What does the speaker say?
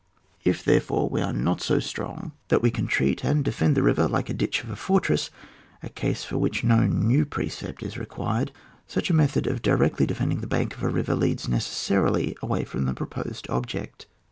If, therefore, we are not so strong that we WVP rr 1^ wr^^m 136 • OH WAR. [book VI. can treat and defend the river like a ditch of a fortress, a case for which no new precept is required, such a method of diwctly defen<£big the bank of a river leads necessarily away from the proposed objiact.